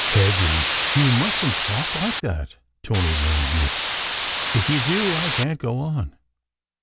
"Peggy, you mustn t talk like that," Tony warned me. "If you do, I can t go on."